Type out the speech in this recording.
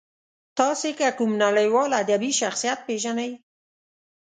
تاسې که کوم نړیوال ادبي شخصیت پېژنئ.